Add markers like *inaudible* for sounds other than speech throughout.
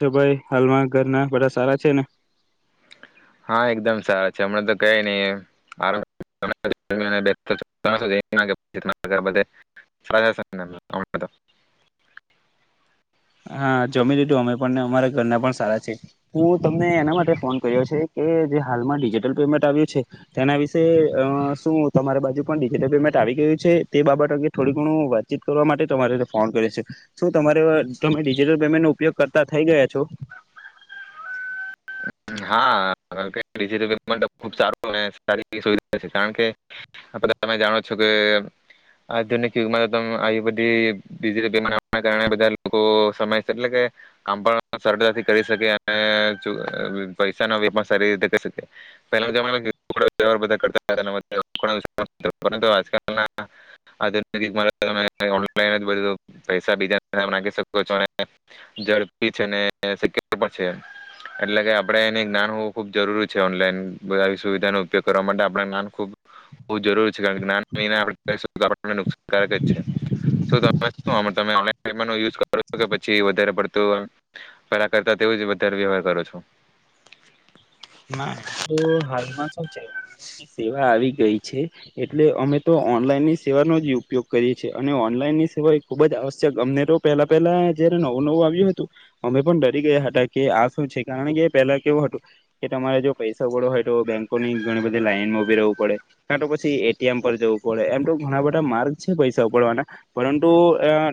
તો ભાઈ, હાલમાં ઘરના બધા સારા છે ને? હા એકદમ સારા છે, હમણાં તો કય નહી. *unintelligible* હા જમી દીધું અમે પણ, ને અમારા ઘરના પણ સારા છે. હું તમને એના માટે ફોન કર્યો છે કે જે હાલમાં ડિજિટલ પેમેન્ટ આવ્યું છે તેના વિશે અ શું તમારી બાજુ પણ ડિજિટલ પેમેન્ટ આવી ગયું છે તે બાબત અંગે થોડુ ઘણું વાતચીત કરવા માટે તમારે ફોન કરે છે. શું તમારે તમે ડિજિટલ પેમેન્ટ નો ઉપયોગ કરતા થઈ ગયા છો? હા, *unintelligible* સારી છે કારણ કે બ તમે જાણો છો કે આધુનિક યુગમાં ત આ બધી ડિજિટલ પેમેન્ટ બા લોકો સમ એટલે કામ પણ સરતાથી કરી શકે અને *unintelligible* પૈસા નો *unintelligible* વે પણ સારી રીતે કરી શકે *unintelligible* આપણે એને જ્ઞાન હોવું ખૂબ જરૂરી છે ઓનલાઈન બધ સુવિધાનો ઉપયોગ કરવા માટે આપાન જ્ઞાન ખૂબ જરૂરી છે. *unintelligible* વધારે વ્યવહાર કરો છો? ના એમ તો હાલમાં શું છે ઓનલાઈનની સેવા આવી ગઈ છે એટલે અમે તો ઓનલાઈન ની સેવાનો જ ઉપયોગ કરીએ છે અને ઓનલાઈન ની સેવા એ ખુબ જ આવશ્યક અમને તો પેલા પેલા જયારે નવું નવું આવ્યું હતું અમે પણ ડરી ગયા હતા કે આ શું છે કારણ કે પેલા કેવું હતું કે તમારે જો પૈસા ઉપડવો હોય તો બેન્કોની ઘણી બધી લાઈનમાં ઉભી રહેવું પડે કારાં તો પછી એટીએમ પર જવું પડે એમ તો ઘણા બધા માર્ગ છે પૈસા ઉપડવાના પરંતુ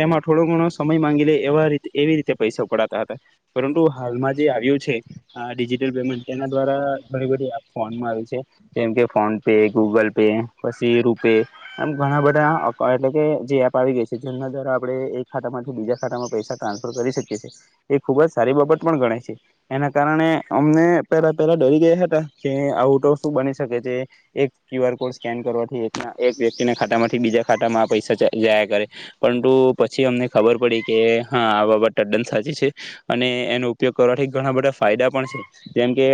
તેમાં થોડો ઘણો સમય માંગી લે એવા એવી રીતે પૈસા ઉપડાતા હતા પરંતુ હાલમાં જે આવ્યું છે ડિજિટલ પેમેન્ટ એના દ્વારા ઘણી બધી એપ ફોનમાં આવી છે. જેમ કે ફોન પે, ગૂગલ પે પછી રૂપે એમ ઘણા બધા એટલે કે જે એપ આવી ગઈ છે જેમના દ્વારા આપણે એક ખાતામાંથી બીજા ખાતામાં પૈસા ટ્રાન્સફર કરી શકીએ છેએ, એ ખુબ જ સારી બાબત પણ ગણે છે. એના કારણે અમને પેલા પહેલા ડરી ગયા હતા કે આઉટ ઓફ શું બની શકે છે એક ક્યુ આર કોડ સ્કેન કરવાથી એક એક વ્યક્તિના ખાતા માંથી બીજા ખાતામાં આ પૈસા જાયા કરે પરંતુ પછી અમને ખબર પડી કે હા આ બાબત તદ્દન સાચી છે. અને એનો ઉપયોગ કરવાથી ઘણા બધા ફાયદા પણ છે. જેમ કે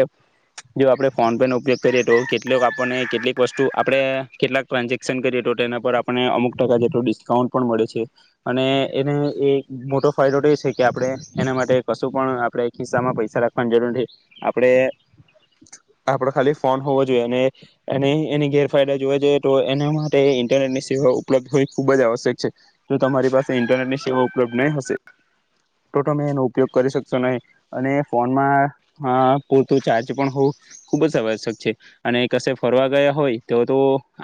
જો આપણે ફોન પે નો ઉપયોગ કરીએ તો કેટલીક આપણને કેટલીક વસ્તુ આપણે કેટલાક ટ્રાન્ઝેક્શન કરીએ તો એના પર આપણને અમુક ટકા જેટલોું ડિસ્કાઉન્ટ પણ મળે છે. અને એને એ મોટો ફાયદો તો એ છે કે આપણે એના માટે કશું પણ આપણે ખિસ્સામાં પૈસા રાખવાની જરૂર નથી. આપણે આપડો ખાલી ફોન હોવો જોઈએ અને એને એની ગેરફાયદા જોવા જોઈએ તો એના માટે ઇન્ટરનેટ ની સેવા ઉપલબ્ધ હોવી ખુબ જ આવશ્યક છે. જો તમારી પાસે ઇન્ટરનેટની સેવા ઉપલબ્ધ નહી હશે તો તમે એનો ઉપયોગ કરી શકશો નહી. અને ફોનમાં હા પૂરતું ચાર્જ પણ હોવું ખૂબ જ આવશ્યક છે. અને કશે ફરવા ગયા હોય તો તો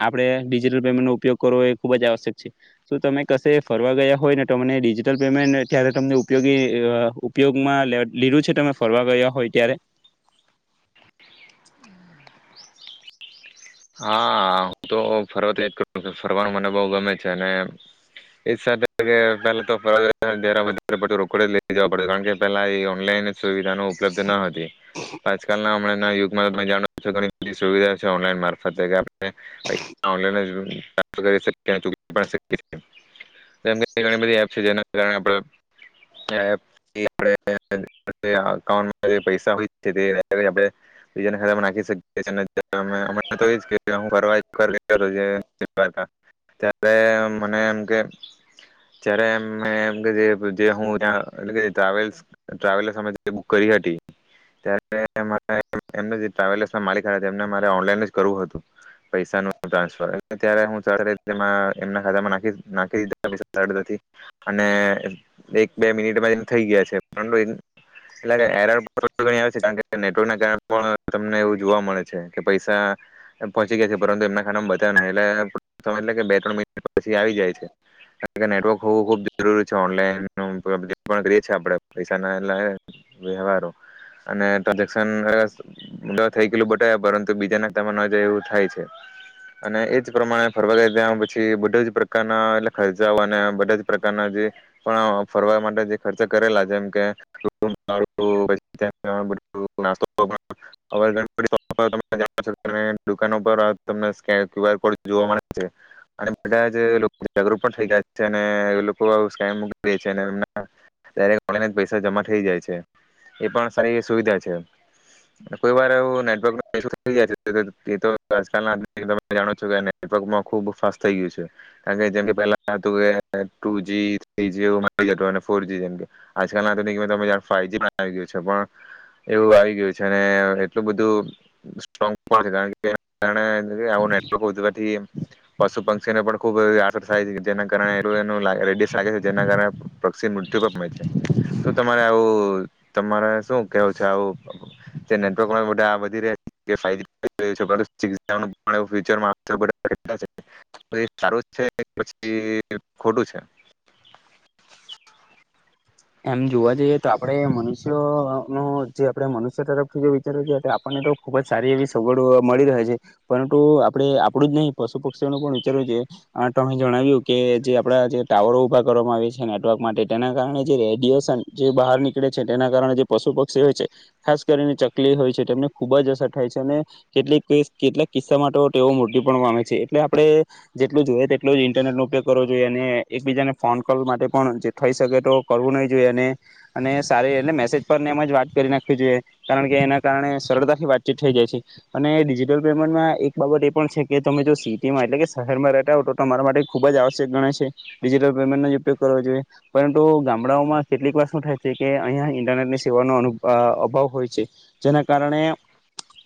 આપણે ડિજિટલ પેમેન્ટનો ઉપયોગ કરવો એ ખૂબ જ આવશ્યક છે શુ તમે કશે ફરવા ગયા હોય ને તમને ડિજિટલ પેમેન્ટ ત્યારે તમને ઉપયોગી ઉપયોગમાં લીલું છે તમે? ફરવા ગયા હોય. ત્યારે. હા હું તો ફરવાથી જ કરું ફરવાનું મને બહ ગમે છે અને એજ સાથે કે પેલા તો ફર જ્યારે વધારે પ રોકડ લઈ જવા પડ કારણ કે પેલા એ ઓનલાઈન સુવિધાનો ઉપલબ્ધ ન હત. આજકાલ ના હમણાં ના યુગમાં ત જાણો છો ઘણીલી સુવિધા છે ઓનલાઈન મા. *unintelligible* *unintelligible* ત મને એમ કે જ્યારેમ કરી હતી તસ ના માલિક હતા મા ઓનલાઈન જ પ ટ્રાન્સર ત એમના ખા નાખી એક બે મિનિટ થઈ ગયા છે તમને એવું જોવા મળે છે કે પૈસા પહચી ગયા એમના ખા બતાવ એટલે બે ત્રણિ પછી આવી જાય છે કારણ નેટવર્ક હોવું ખુબ જરૂરી છે ઓનલાઈન આપ પૈસા ના એ વ્યવહારો અને ટ્રન્ઝેશન થઈ ગયેલું બતા પરંતુ બીજાન તમે ન જાય એવું થાય છે અને એજ પ્રમાણે ફરવા ગઈ ત્યા પછી બધા જ પ્રકારના એટલે ખર્ચાઓ અને બધા જ પ્રકારના જે પણ ફરવા માટે જે ખર્ચા કરેલા જેમ કે *unintelligible* દુ તમને ક્યુ આર કોડ જોવા મળે છે અને બધા જાગૃત પણ થઈ જાય છે અને લોકો છે પૈસા જમા થઈ જાય છે એ પણ સારી સુવિધા છે કોઈ વાર આવુ નેટવોક *unintelligible* ત જાણો છો કે નેટવર્કમાં ખુબ ફાસ્ટ થઈ ગયું છે કારણ કે જેમ પેલા હતું કે ટુ જ થ્રીવ ફોરજી જેમ આજલ આધુનિક ફ ગયું એવું આવી ગયું છે એટલું બધું સ્ટ્રંગ પણ *unintelligible* કારણ કે. વ્યા આવોને *unintelligible* થીમ પશુ પંક્ષીને પણ ખુબ એ *unintelligible* આ થાય છે કે જેના કારણે ઓલું એનુ રેડિયસ લાગે છે જેના કારણે પક્ષી મૃત્યુ પામે છે. શું તમારે આવું, તમારે શું કેવું છે આવું, તે *unintelligible* બધા વધી રહ્યા છે? *unintelligible* ફ્યુચરમાં *unintelligible* સારું છે પછી ખોટું છે? એમ જોવા જઈએ તો આપણે મનુષ્યોનો જે આપણે મનુષ્ય તરફથી જે વિચારવું જોઈએ, તે આપણને તો ખુબ જ સારી એવી સગવડો મળી રહે છે પરંટુ આપણે આપડું જ નહી પશુ પક્ષીઓનું પણ વિચારવું જોઈએ. આ અમે જણાવ્યું કે જે આપડા જે ટાવરો ઉભા કરવામાં આવે છે નેટવર્ક માટે તેના કારણે જે રેડિયસન જે બહાર નીકળે છે તેના કારણે જે પશુ પક્ષી હોય છે, ખાસ કરીને ચકલી હોય છે, ટેમને ખૂબ જ અસર ઠાય છે. અને કેટલીક કેસ, કેટલાક કિસ્સા મા ટો ટેઓ મૃત્યુ પણ પામે છે એટલે આપણે જેટલું જોઈએ તેટલું જ ઇન્ટરનેટનો ઉપયોગ કરવો જોઈએ અને એકબીજાને ફોન કોલ માટે પણ જે ઠઈ સકે તો નહીં જોઈએ અને સારી એટલે મેસેજ પરને એમ જ વાત કરી નાખવી જોઈએ કારણ કે એના કારણે સરળતાથી વાતચીત ઠઈ જાય છે અને ડિજિટલ પેમેન્ટમાં એક બાબટ એ પણ છે કે તમે જો સિટીમાં એટલે કે શહેરમાં રહેટા હો ટો ટમારા માટે ખૂબ જ આવસ્યક ગણાય છે ડિજિટલ પેમેન્ટનો ઉપયોગ કરવો જોઈએ પરંટુ ગામ ગામડાઓમાં કેટલીક વા સું ઠાય છે કે, અહીંયા ઇન્ટનેટની સેવાનો અનુ, અ, અભાવ હોય છે, જેના કારણે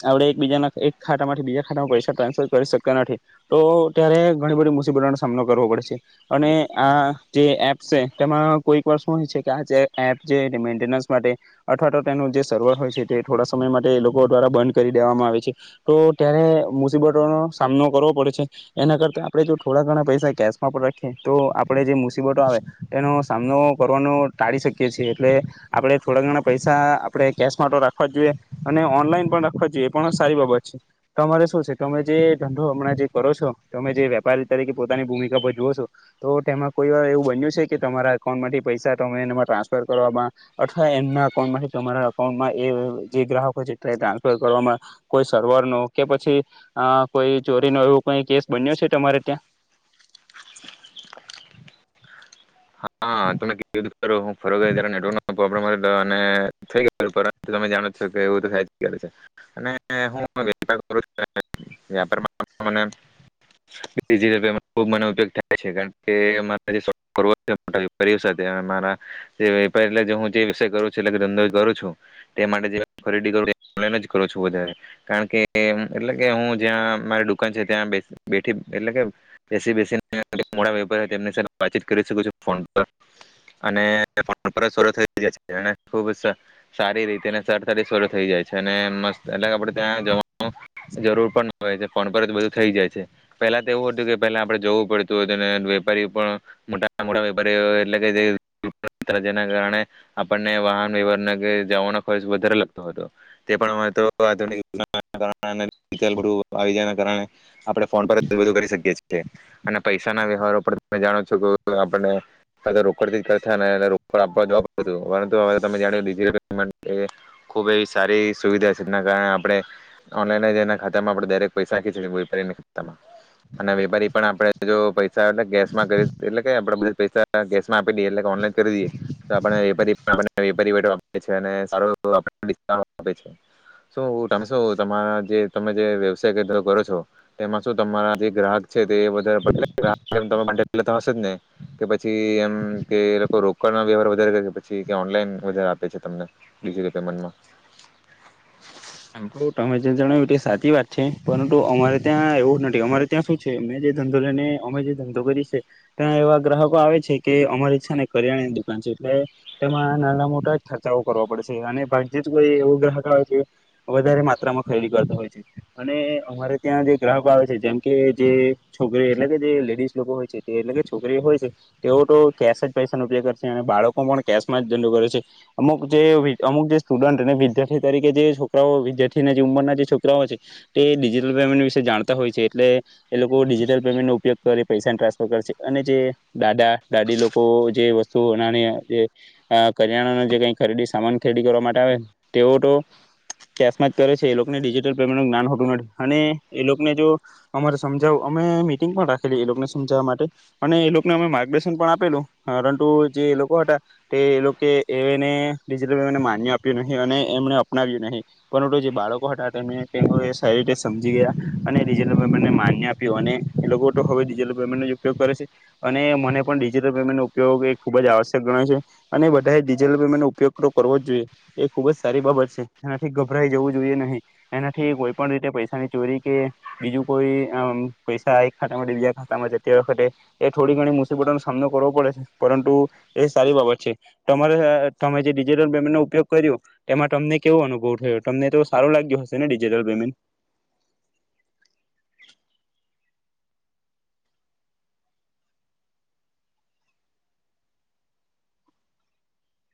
આપણે, એકબીજાના, એક ખાટામાંથી બીજા ખાટામાં પૈસા ટ્રાન્સફર કરી સકતા નઠી. તો ત્યારે ઘણી બધી મુસીબટોનો સામનો કરવો પડે છે, અને આ જે એપ્સ છે તેમાં કોઈક વસ્તુ એ છે કે આ જે એપ છે એ મેન્ટનસ માટે અઠવા ટો ટેનું જે સર્વર હોય છે તે ઠોડા સમય માટે એ લોકો દ્વારા બંધ કરી ડેવામાં આવે છે. તો ત્યારે મુસીબટોનો સામનો કરવો પડે છે. એના કરતા આપણે જો થોડા ઘણા પૈસા કેસમાં પણ રાખીએ, તો આપણેે જે મુસીબટો આવે એનો સામનો કરવાનું ટાળી શકીએ છીએ, એટલે આપણે થોડા ઘણા પૈસા આપણે કેશ મા તો રાખવા જ જોઈએ અને ઓનલાઈન પણ રાખવા જ જોઈએ, પણ સારી બાબત છે. તમારે શું છે? તમે જે ધંધો હમણાં જે કરો છો, તમે જે વેપારી તરીકે પોતાની ભૂમિકા ભજવો છો, તો તેમાં કોઈ વાર એવું બન્યું છે કે તમારા એકાઉન્ટમાંથી પૈસા ટમે એમાં ટ્રાન્સફર કરવામાં, અઠવા એમના અકાઉન્ટમાંથી તમારા અકાઉન્ટમાં, એ જે ગ્રાહકો છે, ટ્રાન્સફર કરવામાં, કોઈ સર્વર નો કે પછી કોઈ ચોરીનો એવો કઈ કેસ બન્યો છે ટમારે ટ્યાં? હા તમે કેધ કરો હ ફર જારે નેટવર્ક ન પ્રોબ્લેમ હતો અને થઈ ગ પરંતુ તમે જાણો છો કે એવું તો થાય ગય છે અને હુંું છ મયોગ થાય છે કારણ કે જેો *inaudible* વેપારીઓ સાથે આ મારા, જે વેપા એટલે, હું જે વિશે કરુ છું, એટલે ધંધો કરું છું તે માટે જે ખરીડી કરું છું, મેનેજ કરું છું વધારે, કારણ કે એ એટલે કે હું જ્યાં મારી ડુકાન છે, ત્યાં બેઠ, બેઠી, એટલે કે બેસી બેસીને મોડા વેપારીઓ છે તેમની સાથે વાતચીત કરૂ શકું છું. ફન પર અને ફોન પર સોડો થઈ જાય છે, ખુબ જ સા, સારી રીતે સરડતાથી સોડો થઈ જાય છે અને મસ્ત, એટલે આપડે ત્યાં જવાનું જરૂર પણ ન હોય છે, ફોન પર જ બધું થઈ જાય છે. પહેલા તો એવું હતું કે પહેલા આપડે જવું પડતું હતું. અને વેપારી પણ મોટા મોાેપારી એટલે જેના કારણે આપણને વાહન વ્યવાર જવાનો ખર્ચ વધારે લગતો હતો તે પણ આપણે ફોન પર કરી શકી છી અને પૈસા ના વ્યવહારો તમે જાણો છો વે આપણને રોકડથી કે થાય ને એને રોકડ આપવા જવાબ પરંતુ હવે તમે જાને ડિજિટલ પેમેન્ટ ખુબ એવી સારી સુવિધા છે જેના કારણે આપણે ઓનલાઈન જ એના ખાતામાં આપણે દરેક પૈસા નાખી વેપારી ખાતામાં અને વેપારી પણ આપણે જો પૈસા એ કેસમાં કરી એટલે કે આપણે બધા પૈસા કેસમાં આપી દઈએ, એટલે કે ઓનલાઈન કરી દઈએ તો આપણે એ પણ રિ, રિબેટો આપે છે. છે ને સારો આપે છે. સુ તમે સુ, તમારા જે, તમે જે વ્યવસાયો કે *unintelligible* કરો છો, તેમાં શું તમારા જે ગ્રાહક છે તે વધારે પડતા, એટલે *unintelligible* માટે લેતા તો હશે જ ને? કે પછી એમ કે લોકો રોકડ વ્યવહાર વધારે લે કે પછી ઓનલાઈન વધારે આપે છે તમને ડિજિટલ પેમેન્ટમાં? ટમે જે જણાવ્યું સાચી વાટ છે, પરંટુ અમારે ત્યાં એવું નઠી, અમારે ત્યાં સું છે, મેં જે ધંધો લઈને, અમે જે ધંધો કરી છે ત્યાં એવા ગ્રાહકો આવે છે કે અમારી છે ને કરિયાણાની દુકાન છે, એટલે તેમાં નાના મોટા ખર્ચાઓ કરવા પડે છે, અને ભાગ્યે જ કોઈ એવો ગ્રાહક આવે છે વધારે માત્રામાં ખરીડી કરતા હોય છે અને અમારે ત્યાં જે ગ્રાહકો આવે છે, જેમ કે જે છોકરી એટલે, કે જે લેડીસ લોકો હોય છે તે એટલે કે છોકરીઓ હોય છે, ટેઓ ટો કેસ જ પૈસાનો ઉપયોગ કરછે અને બાળકો પણ કેસમાં જ ધંડો કરે છે. અમુક જે વિ, અમુક જે સ્ટુડન્ટ અને વિદ્યાર્થી તરીકે જે છો છોકરાઓ, વિદ્યાર્થીની ઉંમરના જે છોકરાઓ છે, તે ડિજિટલ પેમેન્ટ વિશે જાણતા હોય છે. એટલે એ લોકો ડિજિટલ પેમેન્ટ નો ઉપયોગ કરી પૈસાન ટ્રાન્સફર કર છે. અને જે ડાડા ડાડી લોકો જે વસ્તુ આનાની એ, કરિયાણાનો જે કઈ ખરીડી સામાન ખરીડી કરવા માટે આવે ટેઓ ટો કેસમાં જ કરે છે એલોકને ડિજિટલ પેમેન્ટનું જ્ઞાન હોટું નથી, અને એલોકને જો અમારે સમજાવ, અમે મિટિંગ પણ રાખેલી એ લોકોને સમજાવવા માટે. અને એલોકને અમે માર્ગડર્શન પણ આપેલું, પરંટુ જે એ લોકો હતા તે લોકે, એને ડિજિટલ પેમેન્ટને માન્ય આપ્યું નહીં અને એમને અપનાવ્યું નહીં. પરંતુજે બાળકો હતા તેને સારી રીતે સમજી ગયા અનેટલેમેન્ટને માન્ય આપ્યું અને એ લોકો હવેટલ પેમેન્ટ ઉપયોગ કરે છે અને મને પણ ડિજિટલ પેમેન્ટ નો ઉપયોગ એ ખૂબ જ આવશ્યક ગણાય છે અને બધાએ ડિજટલ પેમેન્ટ નો ઉપયોગ તો કરવો જ જોઈએ એ ખુબ જ સારી બાબત છે એનાથી ગભરાઈ જવું જોઈએ નહી, એનાઠી કોઈ પણ રીતે પૈસાની ચોરી કે બીજું કોઈ, પૈસા એક ખાટા માં બીજા ખાટામાં જતી વખતે એ થોડી ઘણી મુસીબટો નો સામનો કરવો પડે છે, પરંટુ એ સારી બાબત છે, તમારે અ અ તમે જે ડિજિટલ પેમેન્ટ નો ઉપયોગ કર્યો, એમાં ટમને કેવો અનુભવ ઠયો? ટમને તો સારું લાગ્યું હશે ને ડિજિટલ પેમેન્ટ?